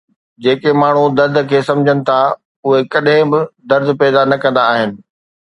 جيڪي ماڻهو درد کي سمجهن ٿا اهي ڪڏهن به درد پيدا نه ڪندا آهن